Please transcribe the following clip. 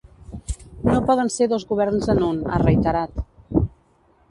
No poden ser dos governs en un, ha reiterat.